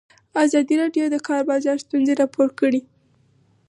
ازادي راډیو د د کار بازار ستونزې راپور کړي.